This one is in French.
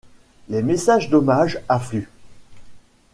Les messages d’hommage affluent.